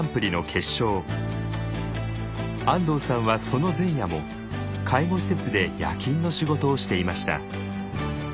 安藤さんはその前夜も介護施設で夜勤の仕事をしていました。